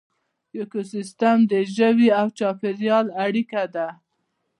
ایکوسیسټم د ژویو او چاپیریال اړیکه ده